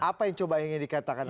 apa yang coba ingin dikatakan